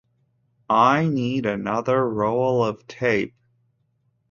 I need another roll of tape.